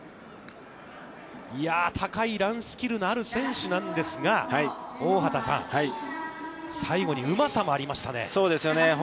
高いランスキルのある選手なんですが、大畑さん、最後にうまさもありましたね。